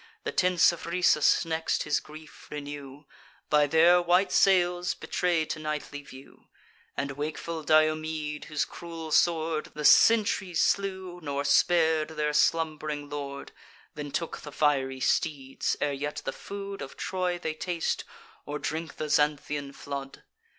The tents of Rhesus next, his grief renew, By their white sails betray'd to nightly view; And wakeful Diomede, whose cruel sword The sentries slew, nor spar'd their slumb'ring lord, Then took the fiery steeds, ere yet the food Of Troy they taste, or drink the Xanthian flood.